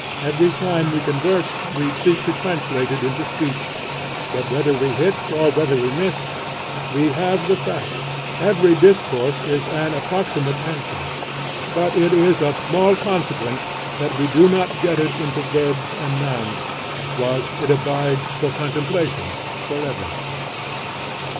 Every time we converse we seek to translate it into speech, but whether we hit or whether we miss, we have the fact. Every discourse is an approximate answer: but it is of small consequence that we do not get it into verbs and nouns, whilst it abides for contemplation forever.